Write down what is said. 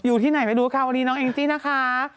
อยู่ที่ไหนไม่รู้ค่ะวันนี้น้องแองจี้นะคะ